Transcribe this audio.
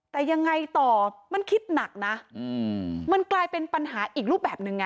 แต่ยังไงต่อมันคิดหนักนะมันกลายเป็นปัญหาอีกรูปแบบหนึ่งไง